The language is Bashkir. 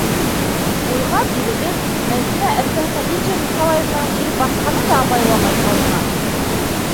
Уйға бирелеп, Мәҙинә эргәһенә Лидия Николаевнаның килеп баҫҡанын да абайламай ҡалған.